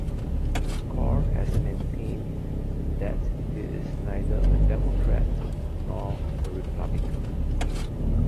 Core has maintained that he is neither a Democrat nor a Republican.